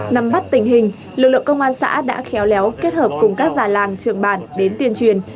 nắm bắt tình hình lực lượng công an xã đã khéo léo kết hợp cùng các già làng trường bản đến tuyên truyền